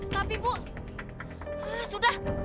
tapi bu sudah